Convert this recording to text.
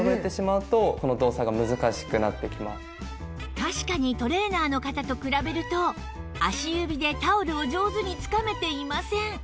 確かにトレーナーの方と比べると足指でタオルを上手につかめていません